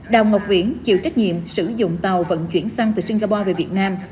đào ngọc viễn chịu trách nhiệm sử dụng tàu vận chuyển xăng từ singapore về việt nam